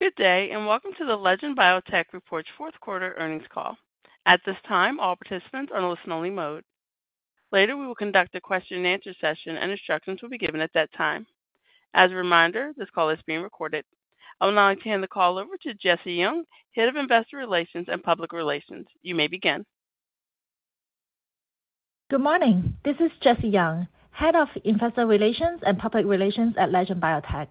Good day and welcome to the Legend Biotech Report's fourth quarter earnings call. At this time, all participants are in listen-only mode. Later, we will conduct a question-and-answer session and instructions will be given at that time. As a reminder, this call is being recorded. I'm now going to hand the call over to Jessie Yeung, Head of Investor Relations and Public Relations. You may begin. Good morning. This is Jessie Yeung, Head of Investor Relations and Public Relations at Legend Biotech.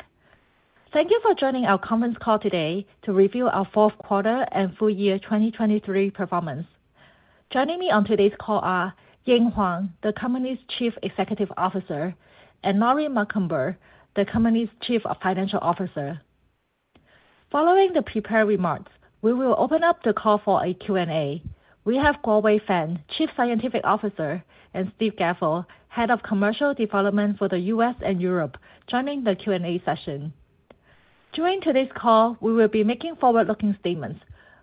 Thank you for joining our conference call today to review our fourth quarter and full year 2023 performance. Joining me on today's call are Ying Huang, the company's Chief Executive Officer, and Lori Macomber, the company's Chief Financial Officer. Following the prepared remarks, we will open up the call for a Q&A. We have Guowei Fang, Chief Scientific Officer, and Steve Gavel, Head of Commercial Development for the U.S. and Europe, joining the Q&A session. During today's call, we will be making forward-looking statements,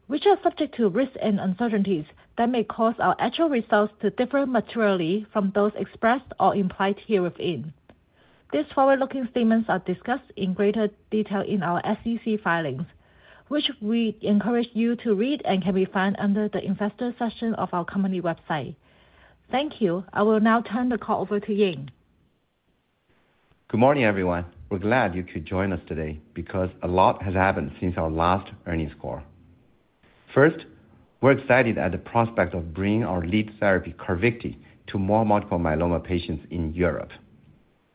which are subject to risks and uncertainties that may cause our actual results to differ materially from those expressed or implied here within. These forward-looking statements are discussed in greater detail in our SEC filings, which we encourage you to read and can be found under the investor section of our company website. Thank you. I will now turn the call over to Ying. Good morning, everyone. We're glad you could join us today because a lot has happened since our last earnings call. First, we're excited at the prospect of bringing our lead therapy, CARVYKTI, to more multiple myeloma patients in Europe.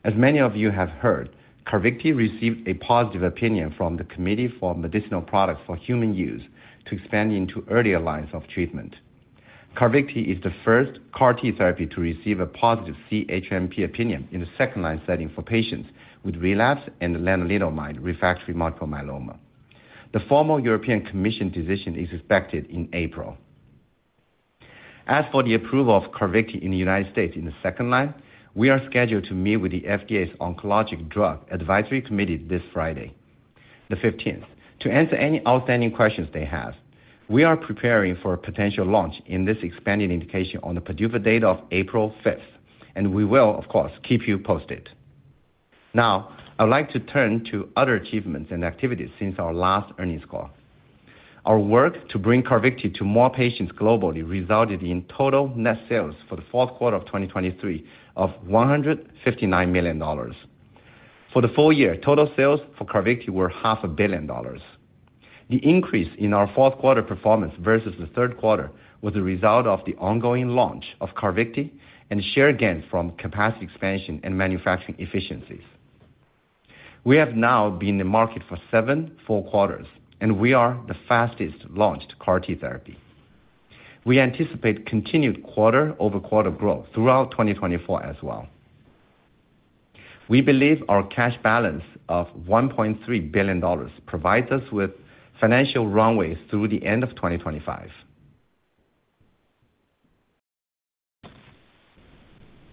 As many of you have heard, CARVYKTI received a positive opinion from the Committee for Medicinal Products for Human Use to expand into earlier lines of treatment. CARVYKTI is the first CAR-T therapy to receive a positive CHMP opinion in the second-line setting for patients with relapse and lenalidomide refractory multiple myeloma. The formal European Commission decision is expected in April. As for the approval of CARVYKTI in the United States in the second-line, we are scheduled to meet with the FDA's Oncologic Drugs Advisory Committee this Friday, the 15th, to answer any outstanding questions they have. We are preparing for a potential launch in this expanded indication on the PDUFA date of April 5th, and we will, of course, keep you posted. Now, I'd like to turn to other achievements and activities since our last earnings call. Our work to bring CARVYKTI to more patients globally resulted in total net sales for the fourth quarter of 2023 of $159 million. For the full year, total sales for CARVYKTI were $500 million. The increase in our fourth quarter performance versus the third quarter was the result of the ongoing launch of CARVYKTI and share gains from capacity expansion and manufacturing efficiencies. We have now been in the market for seven full quarters, and we are the fastest-launched CAR-T therapy. We anticipate continued quarter-over-quarter growth throughout 2024 as well. We believe our cash balance of $1.3 billion provides us with financial runway through the end of 2025.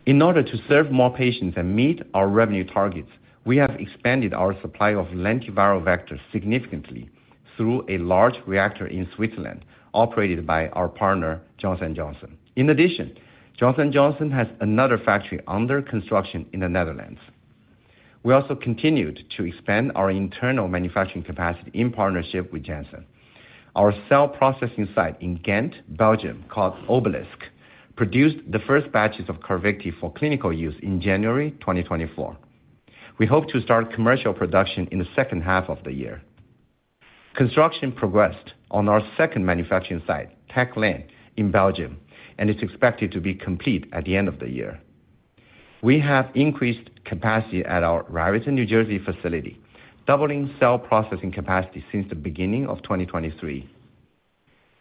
In order to serve more patients and meet our revenue targets, we have expanded our supply of lentiviral vectors significantly through a large reactor in Switzerland operated by our partner, Johnson & Johnson. In addition, Johnson & Johnson has another factory under construction in the Netherlands. We also continued to expand our internal manufacturing capacity in partnership with Janssen. Our cell processing site in Ghent, Belgium, called Obelisk, produced the first batches of CARVYKTI for clinical use in January 2024. We hope to start commercial production in the second half of the year. Construction progressed on our second manufacturing site, Tech Lane, in Belgium, and is expected to be complete at the end of the year. We have increased capacity at our Raritan, New Jersey, facility, doubling cell processing capacity since the beginning of 2023.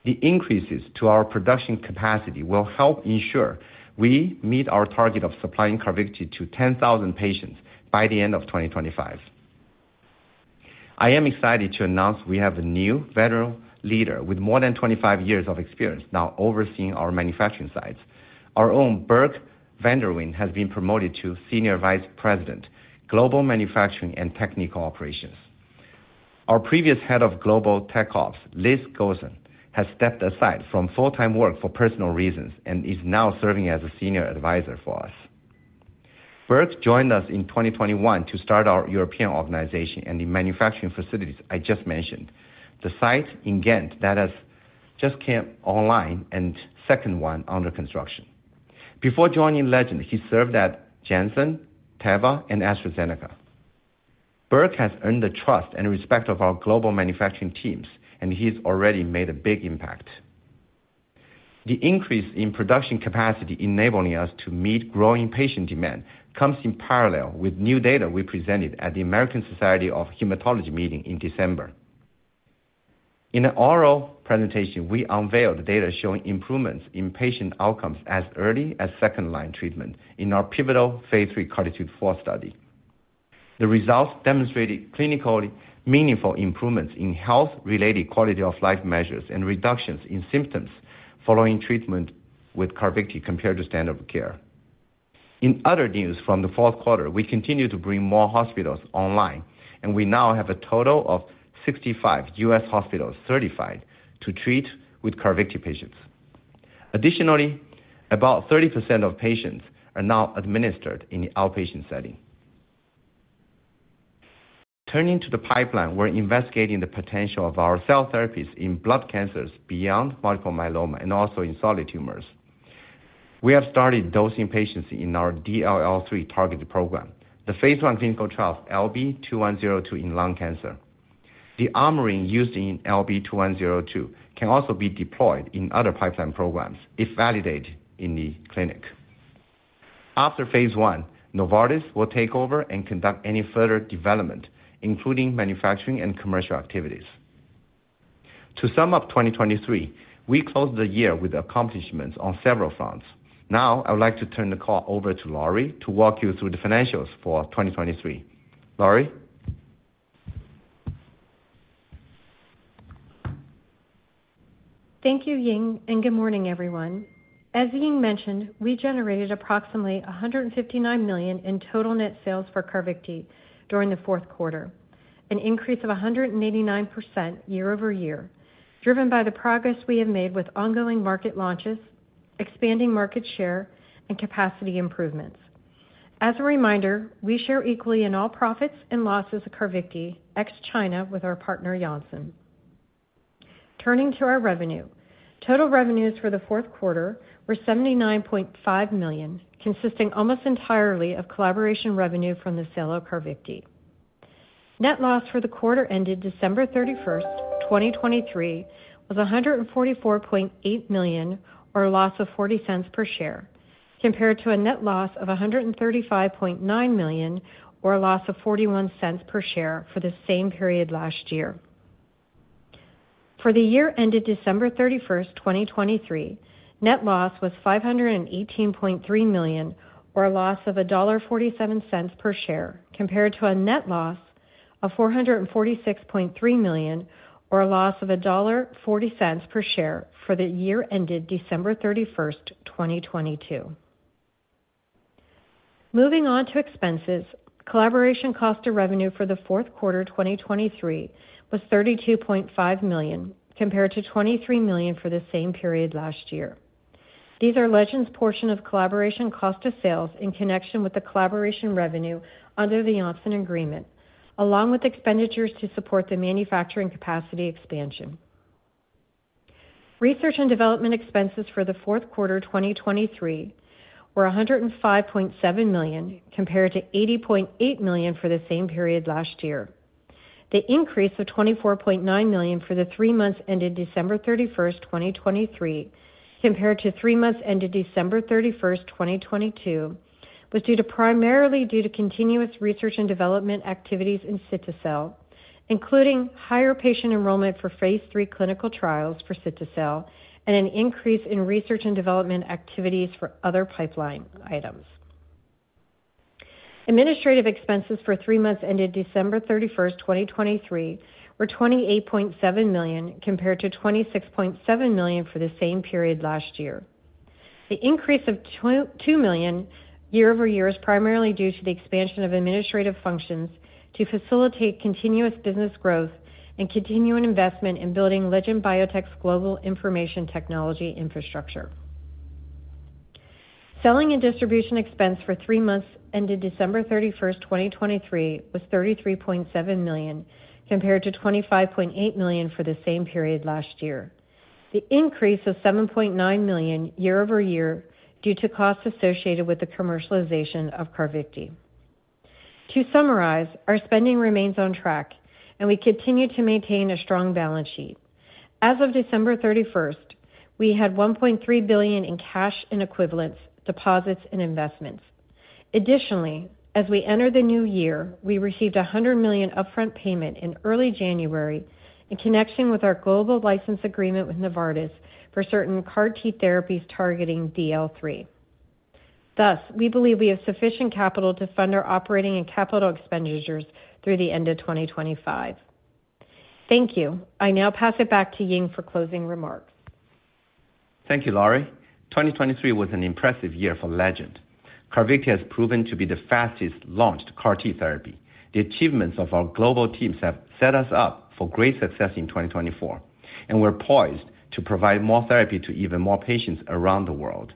The increases to our production capacity will help ensure we meet our target of supplying CARVYKTI to 10,000 patients by the end of 2025. I am excited to announce we have a new veteran leader with more than 25 years of experience now overseeing our manufacturing sites. Our own Birk Vanderweeen has been promoted to Senior Vice President, Global Manufacturing and Technical Operations. Our previous Head of Global Tech Ops, Liz Gosen, has stepped aside from full-time work for personal reasons and is now serving as a senior advisor for us. Birk joined us in 2021 to start our European organization and the manufacturing facilities I just mentioned, the site in Ghent that has just came online and second one under construction. Before joining Legend, he served at Janssen, Teva, and AstraZeneca. Birk has earned the trust and respect of our global manufacturing teams, and he's already made a big impact. The increase in production capacity enabling us to meet growing patient demand comes in parallel with new data we presented at the American Society of Hematology meeting in December. In an oral presentation, we unveiled data showing improvements in patient outcomes as early as second-line treatment in our pivotal Phase III CARTITUDE-4 study. The results demonstrated clinically meaningful improvements in health-related quality of life measures and reductions in symptoms following treatment with CARVYKTI compared to standard of care. In other news from the fourth quarter, we continue to bring more hospitals online, and we now have a total of 65 U.S. hospitals certified to treat with CARVYKTI patients. Additionally, about 30% of patients are now administered in the outpatient setting. Turning to the pipeline, we're investigating the potential of our cell therapies in blood cancers beyond multiple myeloma and also in solid tumors. We have started dosing patients in our DLL3 targeted program, the phase I clinical trial of LB2102 in lung cancer. The armoring used in LB2102 can also be deployed in other pipeline programs if validated in the clinic. After Phase I, Novartis will take over and conduct any further development, including manufacturing and commercial activities. To sum up 2023, we closed the year with accomplishments on several fronts. Now, I'd like to turn the call over to Lori to walk you through the financials for 2023. Lori? Thank you, Ying, and good morning, everyone. As Ying mentioned, we generated approximately $159 million in total net sales for CARVYKTI during the fourth quarter, an increase of 189% year-over-year, driven by the progress we have made with ongoing market launches, expanding market share, and capacity improvements. As a reminder, we share equally in all profits and losses of CARVYKTI ex-China with our partner, Johnson. Turning to our revenue, total revenues for the fourth quarter were $79.5 million, consisting almost entirely of collaboration revenue from the sale of CARVYKTI. Net loss for the quarter ended December 31st, 2023, was $144.8 million or a loss of $0.40 per share, compared to a net loss of $135.9 million or a loss of $0.41 per share for the same period last year. For the year ended December 31st, 2023, net loss was $518.3 million or a loss of $1.47 per share, compared to a net loss of $446.3 million or a loss of $1.40 per share for the year ended December 31st, 2022. Moving on to expenses, collaboration cost of revenue for the fourth quarter 2023 was $32.5 million, compared to $23 million for the same period last year. These are Legend's portion of collaboration cost of sales in connection with the collaboration revenue under the Johnson agreement, along with expenditures to support the manufacturing capacity expansion. Research and development expenses for the fourth quarter 2023 were $105.7 million, compared to $80.8 million for the same period last year. The increase of $24.9 million for the three months ended December 31st, 2023, compared to three months ended December 31st, 2022, was primarily due to continuous research and development activities in cilta-cel, including higher patient enrollment for Phase III clinical trials for cilta-cel and an increase in research and development activities for other pipeline items. Administrative expenses for three months ended December 31st, 2023, were $28.7 million, compared to $26.7 million for the same period last year. The increase of $2 million year-over-year is primarily due to the expansion of administrative functions to facilitate continuous business growth and continuing investment in building Legend Biotech's global information technology infrastructure. Selling and distribution expense for three months ended December 31st, 2023, was $33.7 million, compared to $25.8 million for the same period last year. The increase was $7.9 million year-over-year due to costs associated with the commercialization of CARVYKTI. To summarize, our spending remains on track, and we continue to maintain a strong balance sheet. As of December 31st, we had $1.3 billion in cash and equivalents, deposits, and investments. Additionally, as we enter the new year, we received $100 million upfront payment in early January in connection with our global license agreement with Novartis for certain CAR-T therapies targeting DLL3. Thus, we believe we have sufficient capital to fund our operating and capital expenditures through the end of 2025. Thank you. I now pass it back to Ying for closing remarks. Thank you, Lori. 2023 was an impressive year for Legend. CARVYKTI has proven to be the fastest-launched CAR-T therapy. The achievements of our global teams have set us up for great success in 2024, and we're poised to provide more therapy to even more patients around the world.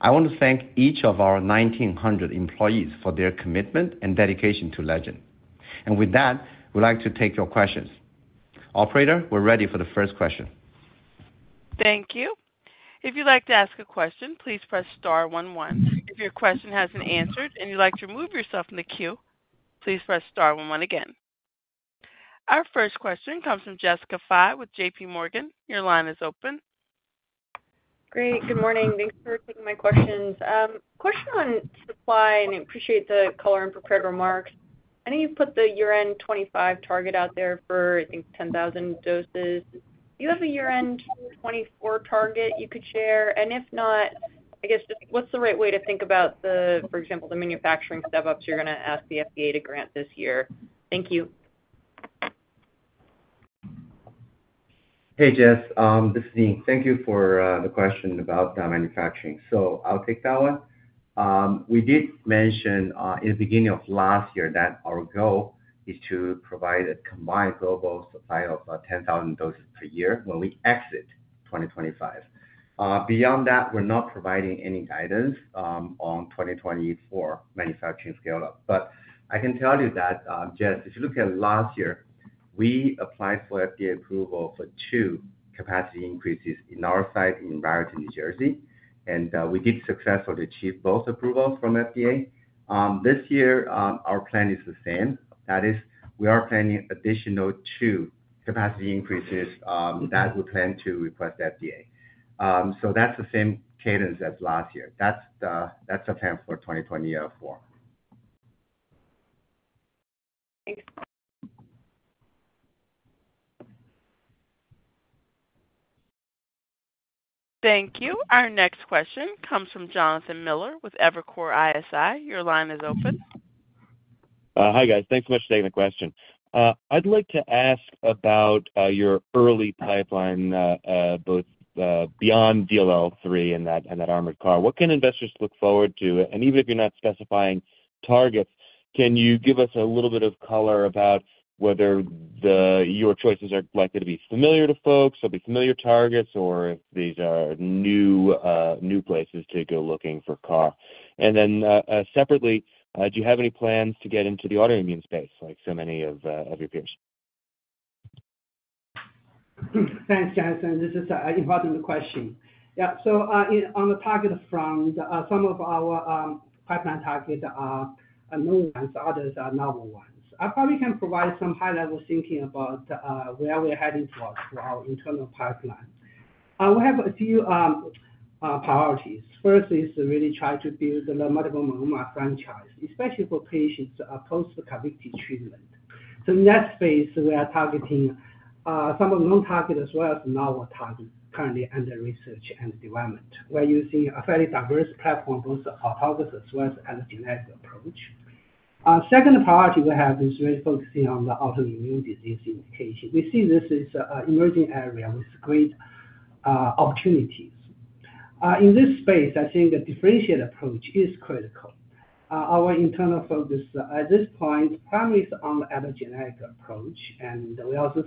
I want to thank each of our 1,900 employees for their commitment and dedication to Legend. And with that, we'd like to take your questions. Operator, we're ready for the first question. Thank you. If you'd like to ask a question, please press star one one. If your question hasn't answered and you'd like to remove yourself from the queue, please press star one one again. Our first question comes from Jessica Fye with J.P. Morgan. Your line is open. Great. Good morning. Thanks for taking my questions. Question on supply, and I appreciate the color and prepared remarks. I know you put the year-end 2025 target out there for, I think, 10,000 doses. Do you have a year-end 2024 target you could share? And if not, I guess, just what's the right way to think about, for example, the manufacturing step-ups you're going to ask the FDA to grant this year? Thank you. Hey, Jess. This is Ying. Thank you for the question about manufacturing. So I'll take that one. We did mention in the beginning of last year that our goal is to provide a combined global supply of 10,000 doses per year when we exit 2025. Beyond that, we're not providing any guidance on 2024 manufacturing scale-up. But I can tell you that, Jess, if you look at last year, we applied for FDA approval for two capacity increases in our site in Raritan, New Jersey, and we did successfully achieve both approvals from FDA. This year, our plan is the same. That is, we are planning additional two capacity increases that we plan to request FDA. So that's the same cadence as last year. That's the plan for 2024. Thanks. Thank you. Our next question comes from Jonathan Miller with Evercore ISI. Your line is open. Hi, guys. Thanks so much for taking the question. I'd like to ask about your early pipeline, both beyond DLL3 and that armored CAR. What can investors look forward to? And even if you're not specifying targets, can you give us a little bit of color about whether your choices are likely to be familiar to folks, will be familiar targets, or if these are new places to go looking for CAR? And then separately, do you have any plans to get into the autoimmune space, like so many of your peers? Thanks, Jonathan. This is an important question. Yeah. So on the target front, some of our pipeline targets are known ones. Others are novel ones. I probably can provide some high-level thinking about where we're heading towards for our internal pipeline. We have a few priorities. First is to really try to build the multiple myeloma franchise, especially for patients post-CARVYKTI treatment. So in that space, we are targeting some of the known targets as well as novel targets currently under research and development. We're using a fairly diverse platform, both autologous as well as allogeneic approach. Second priority we have is really focusing on the autoimmune disease indication. We see this is an emerging area with great opportunities. In this space, I think a differentiated approach is critical. Our internal focus at this point primarily is on the allogeneic approach, and we also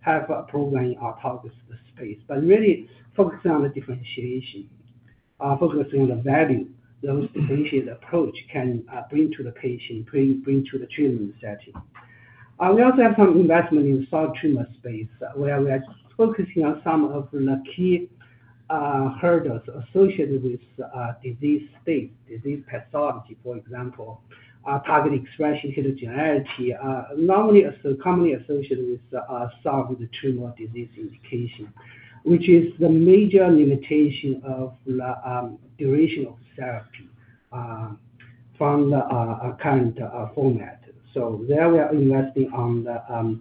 have a program in autologous space, but really focusing on the differentiation, focusing on the value. Those differentiated approaches can bring to the patient, bring to the treatment setting. We also have some investment in the solid tumor space where we are focusing on some of the key hurdles associated with disease states, disease pathology, for example, target expression, heterogeneity, normally commonly associated with solid tumor disease indication, which is the major limitation of the duration of therapy from the current format. So there we are investing on the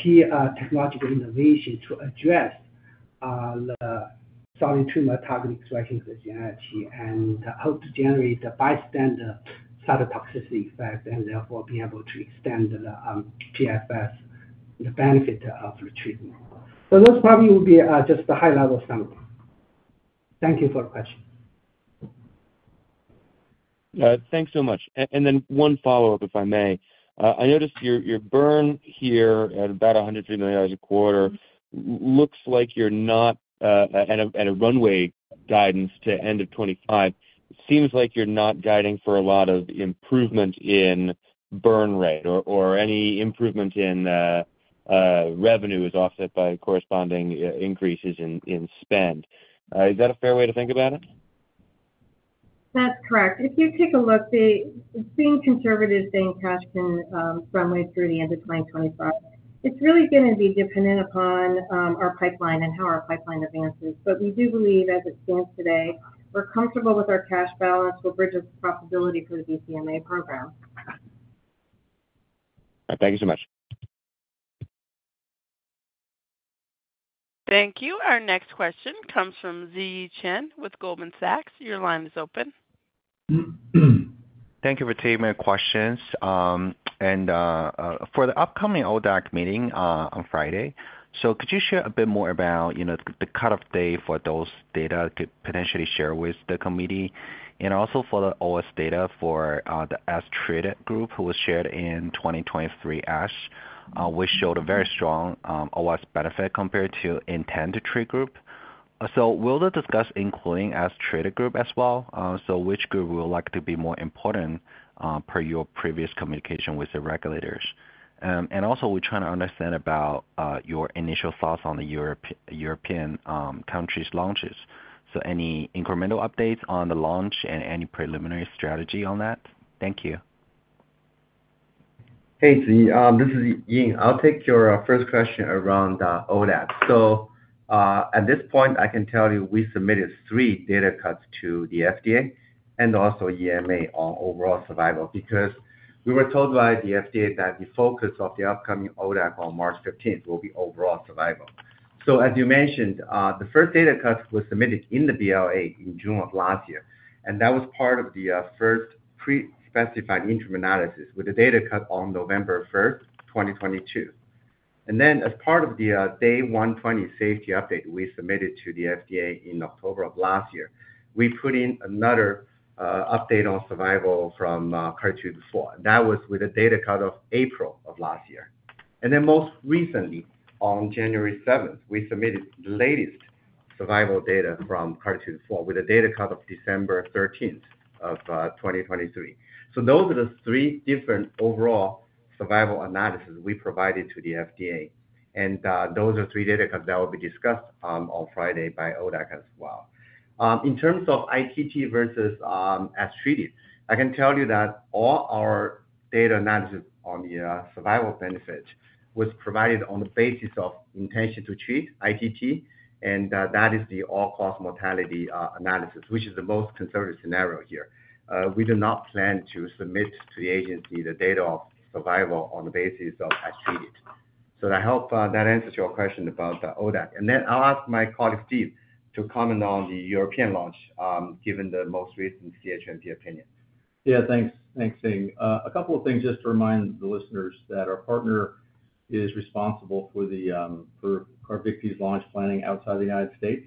key technological innovation to address the solid tumor target expression heterogeneity and hope to generate a bystander cytotoxicity effect and therefore be able to extend the PFS, the benefit of the treatment. So those probably would be just a high-level summary. Thank you for the question. Thanks so much. And then one follow-up, if I may. I noticed your burn here at about $103 million a quarter. Looks like you're not, and your runway guidance to end of 2025. It seems like you're not guiding for a lot of improvement in burn rate or any improvement in revenue is offset by corresponding increases in spend. Is that a fair way to think about it? That's correct. If you take a look, being conservative, saying cash can runway through the end of 2025, it's really going to be dependent upon our pipeline and how our pipeline advances. But we do believe, as it stands today, we're comfortable with our cash balance. We'll bridge with profitability for the BCMA program. All right. Thank you so much. Thank you. Our next question comes from Ziyi Chen with Goldman Sachs. Your line is open. Thank you for taking my questions. For the upcoming ODAC meeting on Friday, so could you share a bit more about the cut-off day for those data to potentially share with the committee? And also for the OOS data for the as-treated group which was shared in 2023-ish, which showed a very strong OS benefit compared to ITT group. So we'll discuss including as-treated group as well. So which group would like to be more important per your previous communication with the regulators? And also, we're trying to understand about your initial thoughts on the European countries' launches. So any incremental updates on the launch and any preliminary strategy on that? Thank you. Hey, Ziyi. This is Ying. I'll take your first question around ODAC. So at this point, I can tell you we submitted three data cuts to the FDA and also EMA on overall survival because we were told by the FDA that the focus of the upcoming ODAC on March 15th will be overall survival. So as you mentioned, the first data cut was submitted in the BLA in June of last year, and that was part of the first pre-specified interim analysis with a data cut on November 1st, 2022. And then as part of the day 120 safety update we submitted to the FDA in October of last year, we put in another update on survival from CARTITUDE-4. That was with a data cut of April of last year. And then most recently, on January 7th, we submitted the latest survival data from CARTITUDE-4 with a data cut of December 13th of 2023. So those are the three different overall survival analyses we provided to the FDA. And those are three data cuts that will be discussed on Friday by ODAC as well. In terms of ITT versus as-treated, I can tell you that all our data analysis on the survival benefit was provided on the basis of intention to treat, ITT, and that is the all-cause mortality analysis, which is the most conservative scenario here. We do not plan to submit to the agency the data of survival on the basis of as-treated. So that answers your question about ODAC. And then I'll ask my colleague Steve to comment on the European launch given the most recent CHMP opinion. Yeah. Thanks. Thanks, Ying. A couple of things just to remind the listeners that our partner is responsible for CARVYKTI's launch planning outside the United States,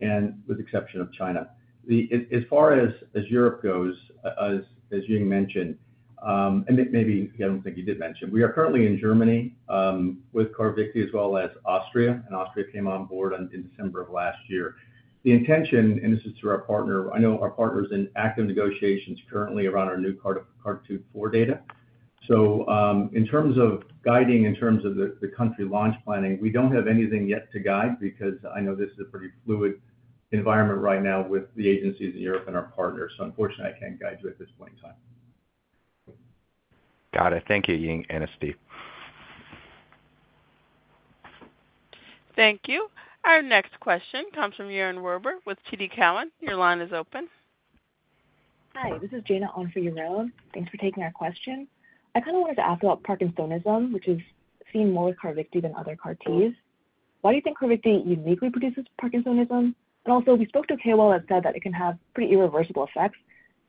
and with the exception of China. As far as Europe goes, as Ying mentioned and maybe I don't think you did mention. We are currently in Germany with CARVYKTI as well as Austria, and Austria came on board in December of last year. The intention - and this is through our partner - I know our partner is in active negotiations currently around our new CARTITUDE-4 data. So in terms of guiding in terms of the country launch planning, we don't have anything yet to guide because I know this is a pretty fluid environment right now with the agencies in Europe and our partners. So unfortunately, I can't guide you at this point in time. Got it. Thank you, Ying and Steve. Thank you. Our next question comes from Yaron Werber with TD Cowen. Your line is open. Hi. This is Jana on for Yaron. Thanks for taking our question. I kind of wanted to ask about Parkinsonism, which is seen more with CARVYKTI than other CAR-Ts. Why do you think CARVYKTI uniquely produces Parkinsonism? And also, we spoke to KOL, who said that it can have pretty irreversible effects.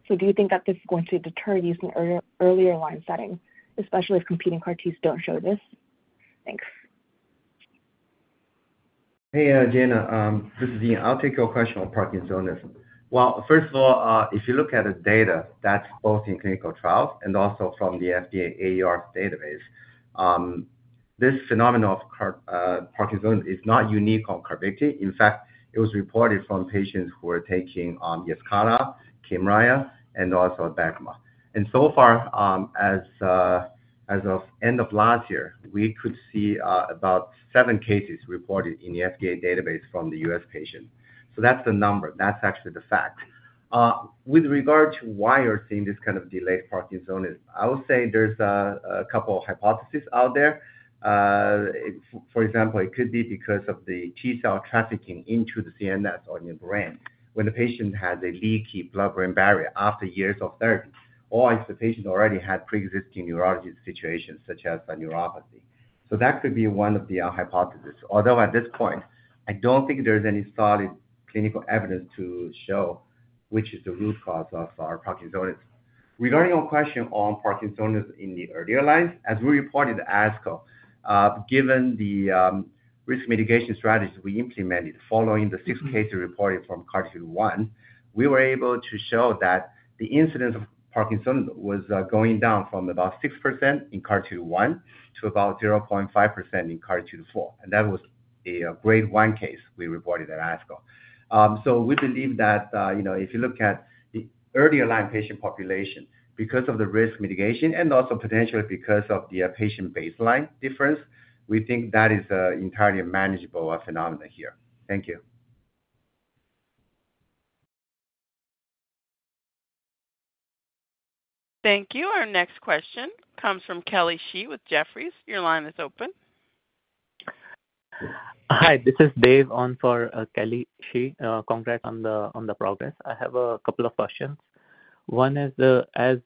So do you think that this is going to deter use in earlier line settings, especially if competing CAR-Ts don't show this? Thanks. Hey, Jana. This is Ying. I'll take your question on Parkinsonism. Well, first of all, if you look at the data that's both in clinical trials and also from the FDA AERS database, this phenomenon of Parkinsonism is not unique on CARVYKTI. In fact, it was reported from patients who were taking YESCARTA, KYMRIAH and also ABECMA. And so far, as of end of last year, we could see about seven cases reported in the FDA database from the U.S. patients. So that's the number. That's actually the fact. With regard to why we're seeing this kind of delayed Parkinsonism, I would say there's a couple of hypotheses out there. For example, it could be because of the T-cell trafficking into the CNS or in the brain when the patient has a leaky blood-brain barrier after years of therapy or if the patient already had preexisting neurologic situations such as neuropathy. So that could be one of the hypotheses. Although at this point, I don't think there's any solid clinical evidence to show which is the root cause of our Parkinsonism. Regarding your question on Parkinsonism in the earlier lines, as we reported at ASCO, given the risk mitigation strategies we implemented following the six cases reported from CARTITUDE-1, we were able to show that the incidence of Parkinsonism was going down from about 6% in CARTITUDE-1 to about 0.5% in CARTITUDE-4. And that was a Grade 1 case we reported at ASCO. We believe that if you look at the earlier-line patient population, because of the risk mitigation and also potentially because of the patient baseline difference, we think that is an entirely manageable phenomenon here. Thank you. Thank you. Our next question comes from Kelly Shi with Jefferies. Your line is open. Hi. This is Dave on for Kelly Shi. Congrats on the progress. I have a couple of questions. One is, as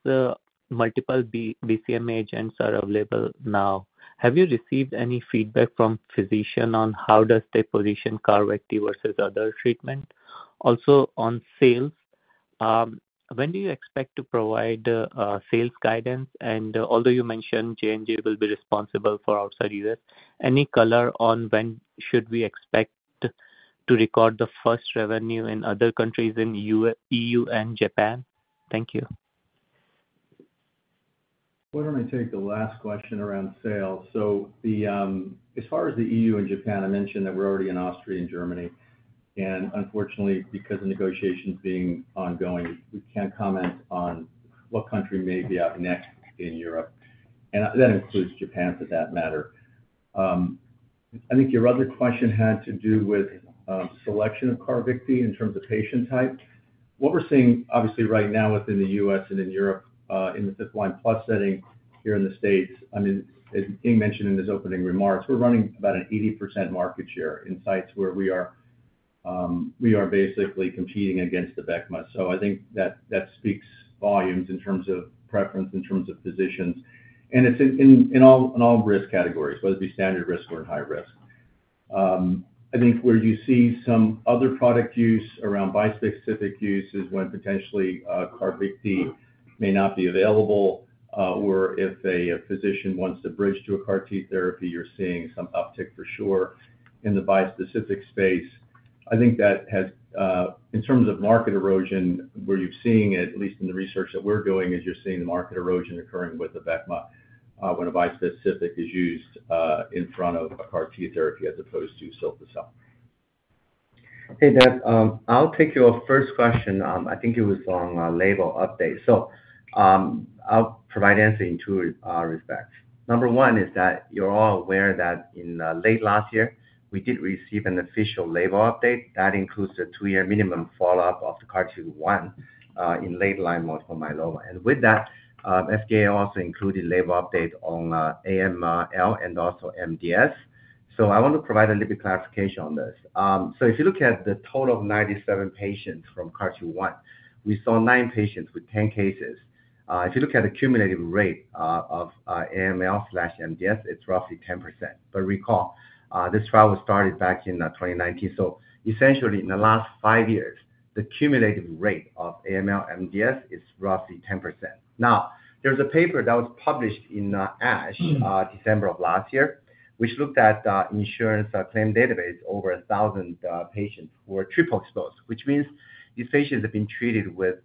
multiple BCMA agents are available now, have you received any feedback from physicians on how does they position CARVYKTI versus other treatments? Also, on sales, when do you expect to provide sales guidance? Although you mentioned J&J will be responsible for outside U.S., any color on when should we expect to record the first revenue in other countries in the E.U. and Japan? Thank you. Why don't I take the last question around sales? So as far as the EU and Japan, I mentioned that we're already in Austria and Germany. And unfortunately, because of negotiations being ongoing, we can't comment on what country may be up next in Europe. And that includes Japan, for that matter. I think your other question had to do with selection of CARVYKTI in terms of patient type. What we're seeing, obviously, right now within the U.S. and in Europe in the fifth-line plus setting here in the states I mean, as Ying mentioned in his opening remarks, we're running about an 80% market share in sites where we are basically competing against Abecma. So I think that speaks volumes in terms of preference, in terms of positions. And it's in all risk categories, whether it be standard risk or in high risk. I think where you see some other product use around bispecific use is when potentially CARVYKTI may not be available or if a physician wants to bridge to a CAR-T therapy, you're seeing some uptick for sure in the bispecific space. I think that has in terms of market erosion, where you've seen it, at least in the research that we're doing, is you're seeing the market erosion occurring with the Abecma when a bispecific is used in front of a CAR-T therapy as opposed to cilta-cel. Hey, Dave. I'll take your first question. I think it was on label update. So I'll provide answers in two respects. Number one is that you're all aware that in late last year, we did receive an official label update that includes the two-year minimum follow-up of the CARTITUDE-1 in late-line multiple myeloma. And with that, FDA also included label update on AML and also MDS. So I want to provide a little bit of clarification on this. So if you look at the total of 97 patients from CARTITUDE-1, we saw nine patients with 10 cases. If you look at the cumulative rate of AML/MDS, it's roughly 10%. But recall, this trial was started back in 2019. So essentially, in the last five years, the cumulative rate of AML/MDS is roughly 10%. Now, there was a paper that was published in ASH December of last year, which looked at insurance claims database over 1,000 patients who were triple-exposed, which means these patients have been treated with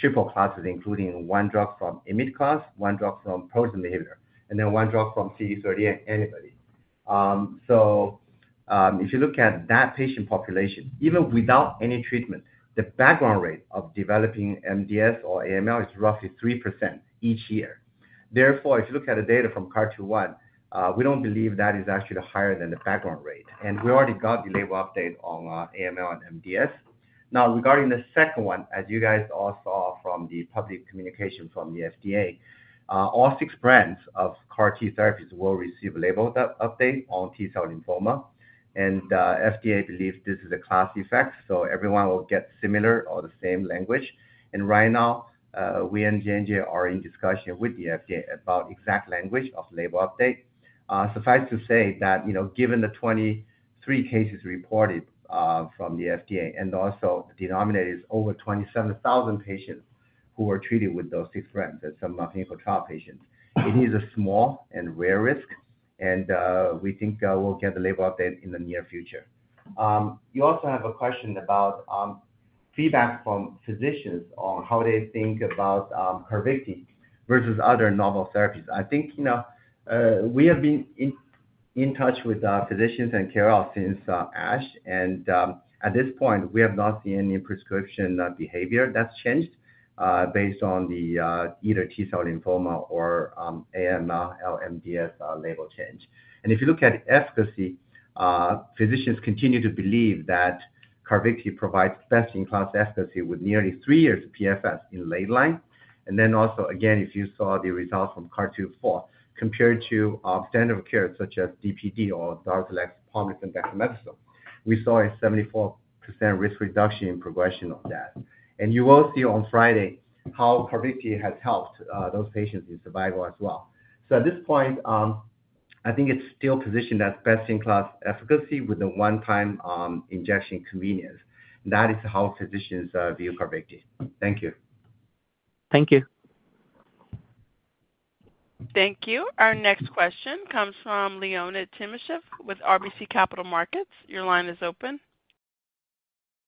triple classes, including one drug from IMID class, one drug from proteasome inhibitor, and then one drug from CD38 antibody. So if you look at that patient population, even without any treatment, the background rate of developing MDS or AML is roughly 3% each year. Therefore, if you look at the data from CARTITUDE-1, we don't believe that is actually higher than the background rate. We already got the label update on AML and MDS. Now, regarding the second one, as you guys all saw from the public communication from the FDA, all six brands of CAR-T therapies will receive a label update on T-cell lymphoma. FDA believes this is a class effect, so everyone will get similar or the same language. Right now, we and J&J are in discussion with the FDA about exact language of the label update. Suffice to say that given the 23 cases reported from the FDA and also the denominator is over 27,000 patients who were treated with those six brands and some clinical trial patients, it is a small and rare risk. We think we'll get the label update in the near future. You also have a question about feedback from physicians on how they think about CARVYKTI versus other novel therapies. I think we have been in touch with physicians and KOLs since ASH. At this point, we have not seen any prescription behavior that's changed based on either T-cell lymphoma or AML/MDS label change. If you look at efficacy, physicians continue to believe that CARVYKTI provides best-in-class efficacy with nearly three years of PFS in late-line. Then also, again, if you saw the results from CARTITUDE-4 compared to standard of care such as DPd or daratumumab, pomalidomide and dexamethasone, we saw a 74% risk reduction in progression of that. And you will see on Friday how CARVYKTI has helped those patients in survival as well. So at this point, I think it's still positioned as best-in-class efficacy with the one-time injection convenience. That is how physicians view CARVYKTI. Thank you. Thank you. Thank you. Our next question comes from Leonid Timashev with RBC Capital Markets. Your line is open.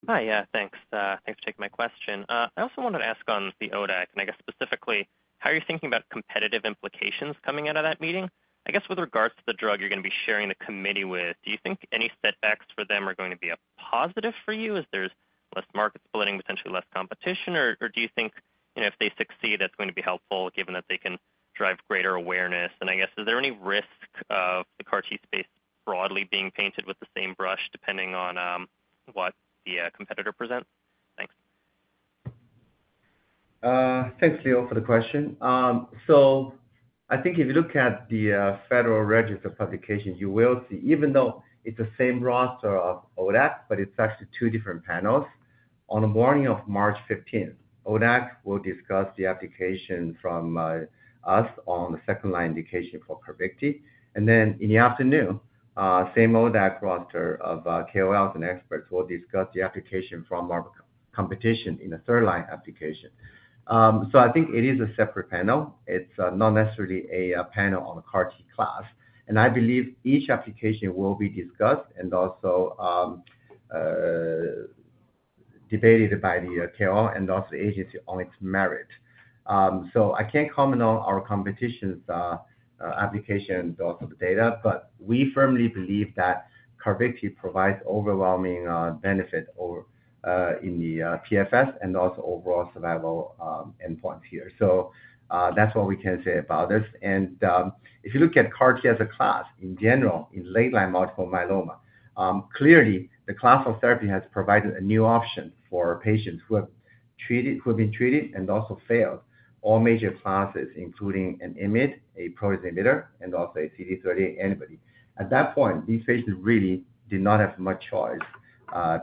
Hi. Yeah. Thanks for taking my question. I also wanted to ask on the ODAC, and I guess specifically, how are you thinking about competitive implications coming out of that meeting? I guess with regards to the drug you're going to be sharing the committee with, do you think any setbacks for them are going to be a positive for you as there's less market splitting, potentially less competition? Or do you think if they succeed, that's going to be helpful given that they can drive greater awareness? And I guess, is there any risk of the CAR-T space broadly being painted with the same brush depending on what the competitor presents? Thanks. Thanks, Leo, for the question. So I think if you look at the Federal Register of publications, you will see even though it's the same roster of ODAC, but it's actually two different panels. On the morning of March 15th, ODAC will discuss the application from us on the second-line indication for CARVYKTI. And then in the afternoon, same ODAC roster of KOLs and experts will discuss the application from our competition in the third-line application. So I think it is a separate panel. It's not necessarily a panel on the CAR-T class. And I believe each application will be discussed and also debated by the KOLs and also the agency on its merit. So I can't comment on our competition's application and also the data, but we firmly believe that CARVYKTI provides overwhelming benefit in the PFS and also overall survival endpoints here. So that's what we can say about this. And if you look at CAR-T as a class in general in late-line multiple myeloma, clearly, the class of therapy has provided a new option for patients who have been treated and also failed all major classes, including an IMID, a proteasome inhibitor, and also a CD38 antibody. At that point, these patients really did not have much choice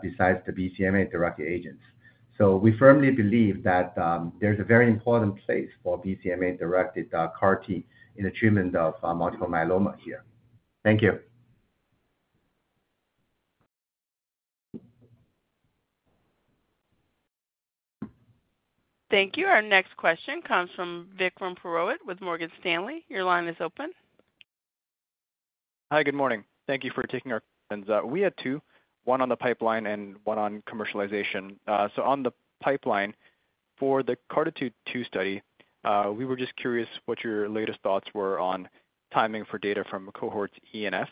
besides the BCMA-directed agents. So we firmly believe that there's a very important place for BCMA-directed CAR-T in the treatment of multiple myeloma here. Thank you. Thank you. Our next question comes from Vikram Purohit with Morgan Stanley. Your line is open. Hi. Good morning. Thank you for taking our questions. We had two, one on the pipeline and one on commercialization. So on the pipeline, for the CARTITUDE study, we were just curious what your latest thoughts were on timing for data from cohorts E and F.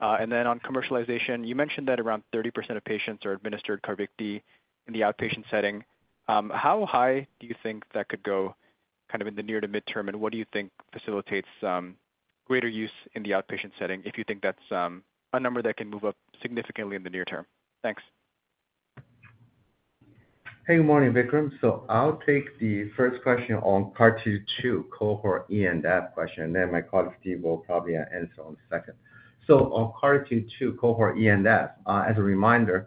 And then on commercialization, you mentioned that around 30% of patients are administered CARVYKTI in the outpatient setting. How high do you think that could go kind of in the near to mid-term? And what do you think facilitates greater use in the outpatient setting if you think that's a number that can move up significantly in the near term? Thanks. Hey. Good morning, Vikram. So I'll take the first question on CARTITUDE cohort E and F question, and then my colleague, Steve, will probably answer on the second. So on CARTITUDE cohort E and F, as a reminder,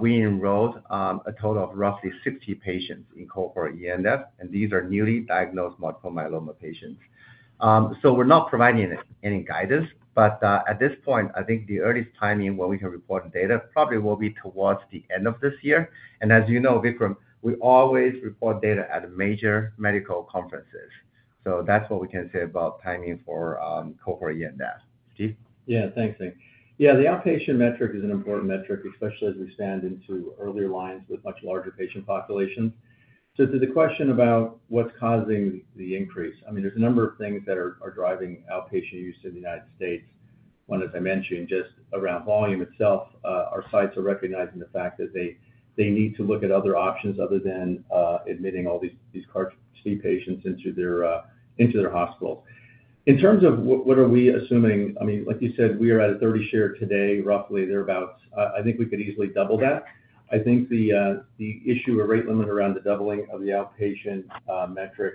we enrolled a total of roughly 60 patients in cohort E and F, and these are newly diagnosed multiple myeloma patients. So we're not providing any guidance. But at this point, I think the earliest timing when we can report data probably will be towards the end of this year. And as you know, Vikram, we always report data at major medical conferences. So that's what we can say about timing for cohort E and F. Steve? Yeah. Thanks, Steve. Yeah. The outpatient metric is an important metric, especially as we stand into earlier lines with much larger patient populations. So to the question about what's causing the increase, I mean, there's a number of things that are driving outpatient use in the United States. One, as I mentioned, just around volume itself, our sites are recognizing the fact that they need to look at other options other than admitting all these CAR-T patients into their hospitals. In terms of what are we assuming I mean, like you said, we are at a 30% share today, roughly. I think we could easily double that. I think the issue or rate limit around the doubling of the outpatient metric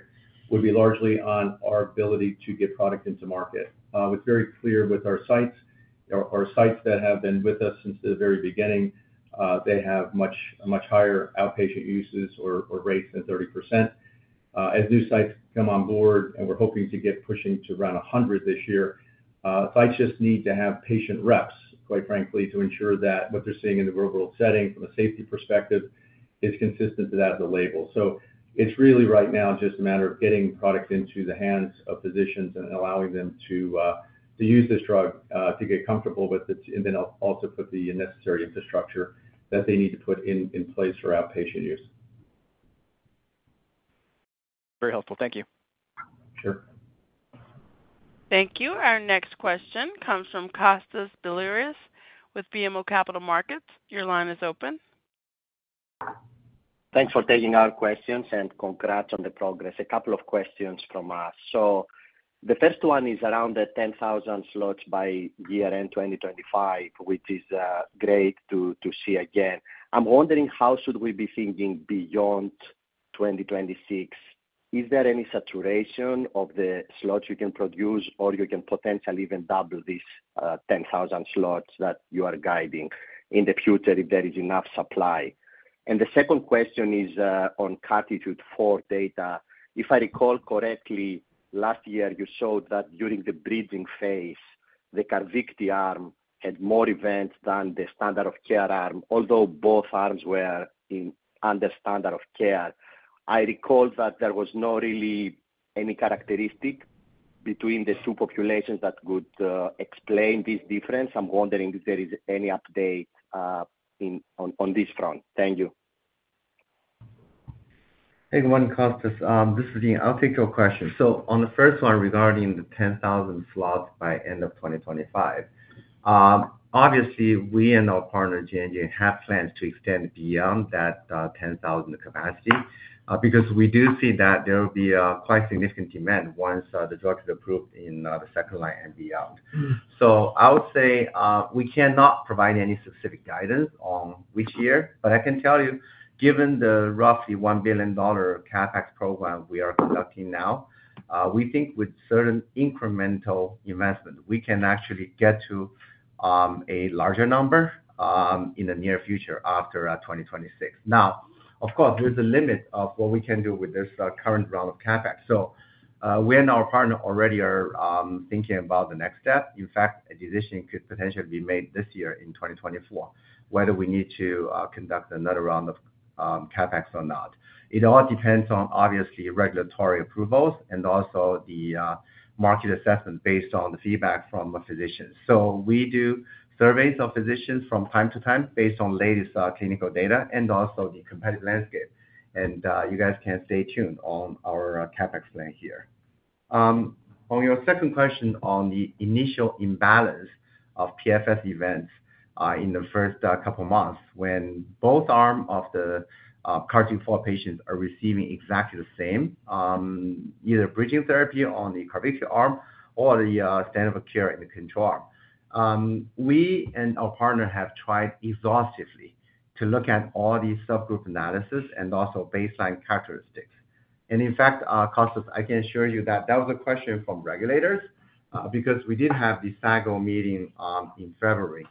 would be largely on our ability to get product into market. It's very clear with our sites. Our sites that have been with us since the very beginning. They have much higher outpatient uses or rates than 30%. As new sites come on board, and we're hoping to get pushing to around 100 this year, sites just need to have patient reps, quite frankly, to ensure that what they're seeing in the global setting from a safety perspective is consistent to that of the label. So it's really right now just a matter of getting product into the hands of physicians and allowing them to use this drug to get comfortable with it and then also put the necessary infrastructure that they need to put in place for outpatient use. Very helpful. Thank you. Sure. Thank you. Our next question comes from Kostas Biliouris with BMO Capital Markets. Your line is open. Thanks for taking our questions and congrats on the progress. A couple of questions from us. So the first one is around the 10,000 slots by year-end 2025, which is great to see again. I'm wondering, how should we be thinking beyond 2026? Is there any saturation of the slots you can produce, or you can potentially even double these 10,000 slots that you are guiding in the future if there is enough supply? And the second question is on CARTITUDE-4 data. If I recall correctly, last year, you showed that during the bridging phase, the CARVYKTI arm had more events than the standard of care arm, although both arms were under standard of care. I recall that there was not really any characteristic between the two populations that could explain this difference. I'm wondering if there is any update on this front. Thank you. Hey. Good morning, Kostas. This is Ying. I'll take your question. So on the first one regarding the 10,000 slots by end of 2025, obviously, we and our partner, J&J, have plans to extend beyond that 10,000 capacity because we do see that there will be quite significant demand once the drug is approved in the second line and beyond. So I would say we cannot provide any specific guidance on which year. But I can tell you, given the roughly $1 billion CapEx program we are conducting now, we think with certain incremental investment, we can actually get to a larger number in the near future after 2026. Now, of course, there's a limit of what we can do with this current round of CapEx. So we and our partner already are thinking about the next step. In fact, a decision could potentially be made this year in 2024 whether we need to conduct another round of CapEx or not. It all depends on, obviously, regulatory approvals and also the market assessment based on the feedback from physicians. So we do surveys of physicians from time to time based on latest clinical data and also the competitive landscape. And you guys can stay tuned on our CapEx plan here. On your second question on the initial imbalance of PFS events in the first couple of months when both arms of the CARTITUDE-4 patients are receiving exactly the same, either bridging therapy on the CARVYKTI arm or the standard of care in the control arm, we and our partner have tried exhaustively to look at all these subgroup analyses and also baseline characteristics. In fact, Kostas, I can assure you that that was a question from regulators because we did have the SAGO meeting in February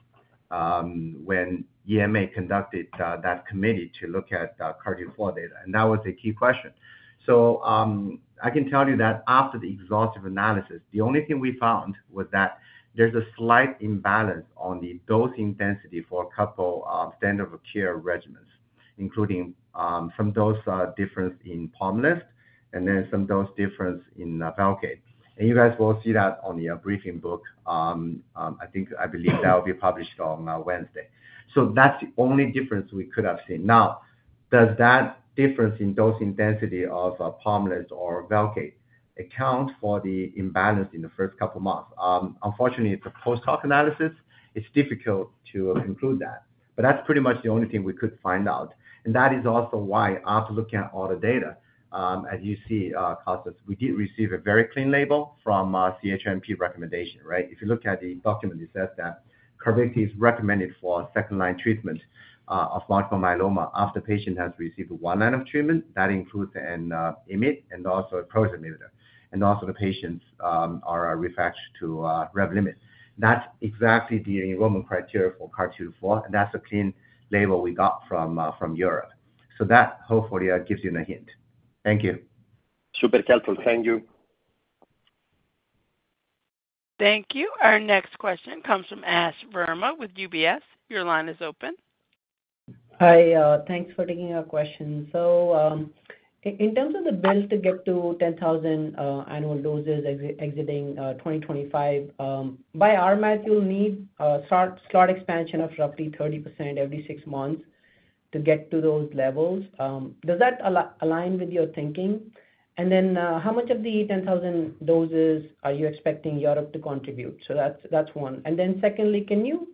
when EMA conducted that committee to look at CARTITUDE-4 data. That was a key question. I can tell you that after the exhaustive analysis, the only thing we found was that there's a slight imbalance on the dosing density for a couple of standard of care regimens, including some dose difference in Pomalyst and then some dose difference in Velcade. You guys will see that on the briefing book. I believe that will be published on Wednesday. That's the only difference we could have seen. Now, does that difference in dosing density of Pomalyst or Velcade account for the imbalance in the first couple of months? Unfortunately, it's a post-hoc analysis. It's difficult to conclude that. But that's pretty much the only thing we could find out. And that is also why after looking at all the data, as you see, Kostas, we did receive a very clean label from CHMP recommendation, right? If you look at the document, it says that CARVYKTI is recommended for second-line treatment of multiple myeloma after the patient has received one line of treatment. That includes an IMID and also a proteasome inhibitor. And also the patients are refractory to Revlimid. That's exactly the enrollment criteria for CARTITUDE-4. And that's a clean label we got from Europe. So that hopefully gives you a hint. Thank you. Super helpful. Thank you. Thank you. Our next question comes from Ashwani Verma with UBS. Your line is open. Hi. Thanks for taking our question. So in terms of the build to get to 10,000 annual doses exiting 2025, by our math, you'll need slot expansion of roughly 30% every six months to get to those levels. Does that align with your thinking? And then how much of the 10,000 doses are you expecting Europe to contribute? So that's one. And then secondly, can you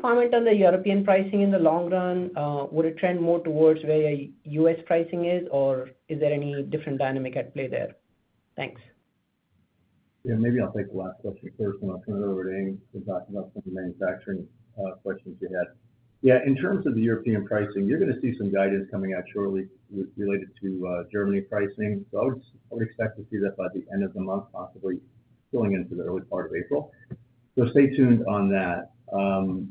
comment on the European pricing in the long run? Would it trend more towards where U.S. pricing is, or is there any different dynamic at play there? Thanks. Yeah. Maybe I'll take the last question first, and I'll turn it over to Ying to talk about some of the manufacturing questions you had. Yeah. In terms of the European pricing, you're going to see some guidance coming out shortly related to Germany pricing. So I would expect to see that by the end of the month, possibly filling into the early part of April. So stay tuned on that. Ying,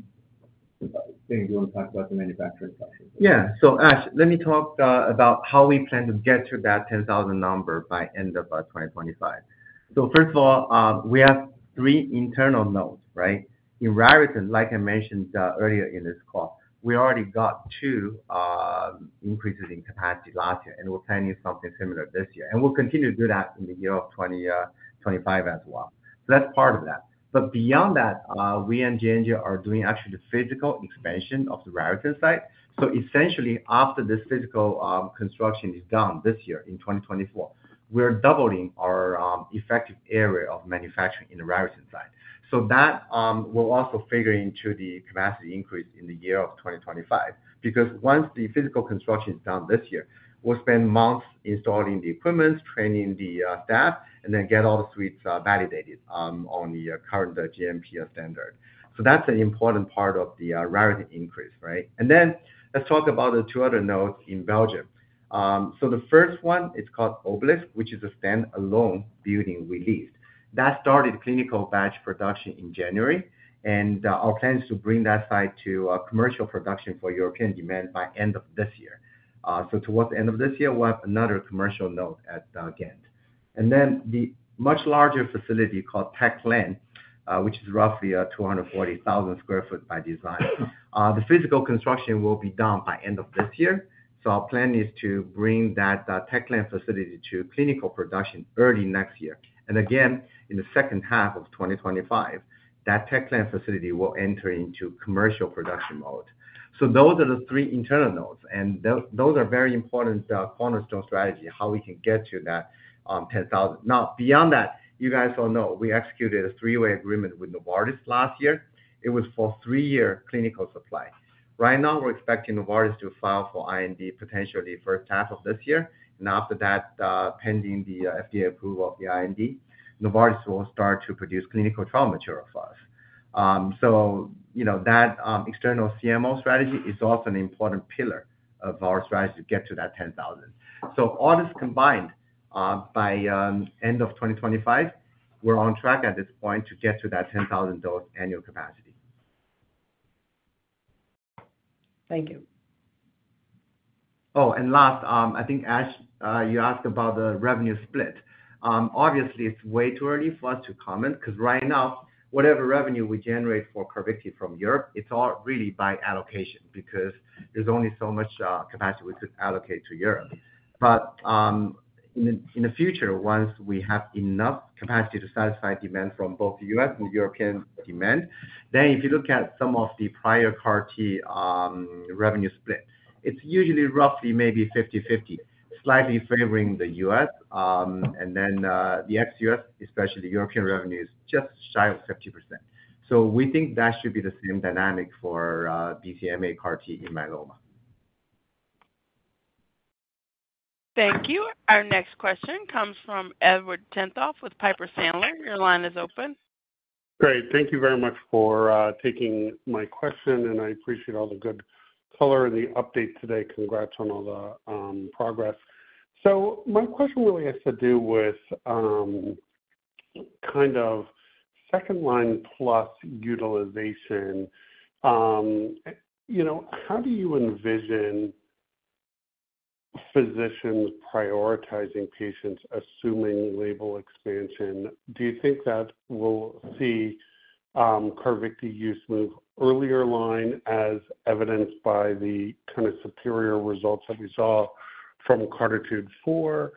do you want to talk about the manufacturing questions? Yeah. So Ash, let me talk about how we plan to get to that 10,000 number by end of 2025. So first of all, we have three internal notes, right? In Raritan, like I mentioned earlier in this call, we already got two increases in capacity last year, and we're planning something similar this year. And we'll continue to do that in the year of 2025 as well. So that's part of that. But beyond that, we and J&J are doing actually the physical expansion of the Raritan site. So essentially, after this physical construction is done this year in 2024, we're doubling our effective area of manufacturing in the Raritan site. So that will also figure into the capacity increase in the year of 2025 because once the physical construction is done this year, we'll spend months installing the equipment, training the staff, and then get all the suites validated on the current GMP standard. So that's an important part of the Raritan increase, right? And then let's talk about the two other sites in Belgium. So the first one, it's called Obelisk, which is a standalone building released. That started clinical batch production in January, and our plan is to bring that site to commercial production for European demand by end of this year. So towards the end of this year, we'll have another commercial site at Ghent. And then the much larger facility called Tech Lane, which is roughly 240,000 sq ft by design, the physical construction will be done by end of this year. So our plan is to bring that Tech Lane facility to clinical production early next year. And again, in the second half of 2025, that Tech Lane facility will enter into commercial production mode. So those are the three internal notes. And those are very important cornerstone strategies, how we can get to that 10,000. Now, beyond that, you guys all know we executed a three-way agreement with Novartis last year. It was for three-year clinical supply. Right now, we're expecting Novartis to file for IND potentially first half of this year. And after that, pending the FDA approval of the IND, Novartis will start to produce clinical trial material for us. So that external CMO strategy is also an important pillar of our strategy to get to that 10,000. So all this combined, by end of 2025, we're on track at this point to get to that 10,000-dose annual capacity. Thank you. Oh, and last, I think, Ash, you asked about the revenue split. Obviously, it's way too early for us to comment because right now, whatever revenue we generate for CARVYKTI from Europe, it's all really by allocation because there's only so much capacity we could allocate to Europe. But in the future, once we have enough capacity to satisfy demand from both U.S. and European demand, then if you look at some of the prior CAR-T revenue split, it's usually roughly maybe 50/50, slightly favoring the U.S. And then the ex-U.S., especially European revenue, is just shy of 50%. So we think that should be the same dynamic for BCMA CAR-T in myeloma. Thank you. Our next question comes from Edward Tenthoff with Piper Sandler. Your line is open. Great. Thank you very much for taking my question. And I appreciate all the good color and the update today. Congrats on all the progress. So my question really has to do with kind of second-line plus utilization. How do you envision physicians prioritizing patients assuming label expansion? Do you think that we'll see CARVYKTI use move earlier line, as evidenced by the kind of superior results that we saw from CARTITUDE-4?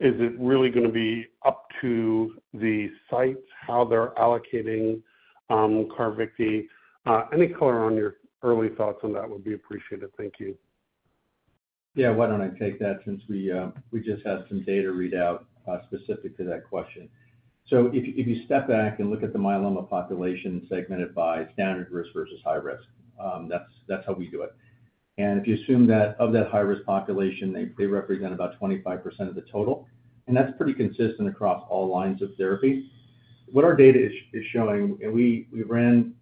Is it really going to be up to the sites, how they're allocating CARVYKTI? Any color on your early thoughts on that would be appreciated. Thank you. Yeah. Why don't I take that since we just had some data readout specific to that question? So if you step back and look at the myeloma population segmented by standard risk versus high risk, that's how we do it. And if you assume that of that high-risk population, they represent about 25% of the total. And that's pretty consistent across all lines of therapy. What our data is showing and we ran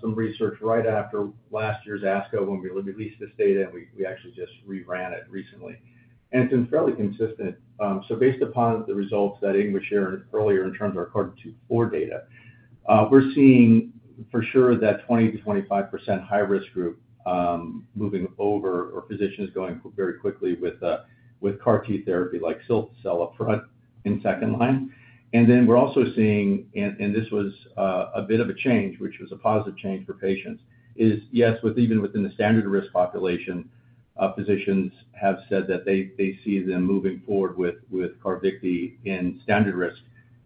some research right after last year's ASCO when we released this data, and we actually just reran it recently. And it's been fairly consistent. So based upon the results that Ying was sharing earlier in terms of our CARTITUDE-4 data, we're seeing for sure that 20%-25% high-risk group moving over or physicians going very quickly with CAR-T therapy like cilta-cel up front in second line. And then we're also seeing, and this was a bit of a change, which was a positive change for patients, is yes, even within the standard risk population, physicians have said that they see them moving forward with CARVYKTI in standard risk